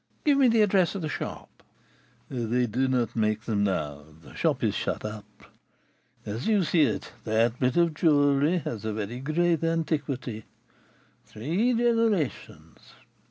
Give me the address of the shop." "They do not make them now; the shop is shut up. As you see it, that bit of jewelry has a very great antiquity, three generations.